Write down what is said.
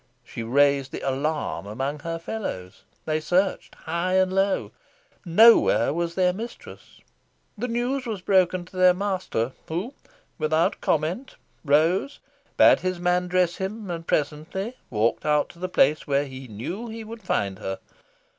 She raised the alarm among her fellows. They searched high and low. Nowhere was their mistress. The news was broken to their master, who, without comment, rose, bade his man dress him, and presently walked out to the place where he knew he would find her.